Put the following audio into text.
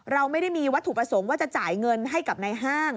เราไม่ได้มีวัตถุประสงค์ว่าจะจ่ายเงินให้กับในห้าง